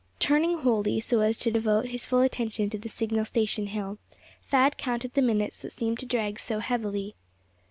Turning wholly, so as to devote his full attention to the signal station hill, Thad counted the minutes that seemed to drag so heavily.